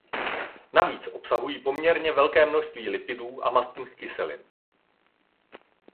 Navíc obsahují poměrně vysoké množství lipidů a mastných kyselin.